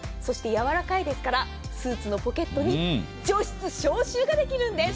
柔らかいですからスーツのポケットに除湿・消臭ができるんです。